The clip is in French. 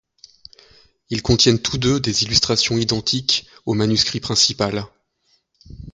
Ils contiennent tous deux des illustrations identiques au manuscrit principal.